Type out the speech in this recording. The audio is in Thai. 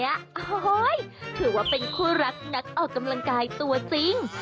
โอ้โหถือว่าเป็นคู่รักนักออกกำลังกายตัวจริง